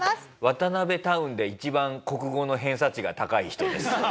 ワタナベタウンで一番国語の偏差値が高い人です。